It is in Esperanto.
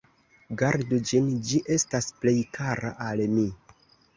Gardu ĝin, ĝi estas plej kara al mi!